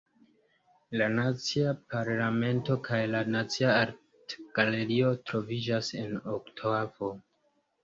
La Nacia Parlamento kaj la Nacia Artgalerio troviĝas en Otavo.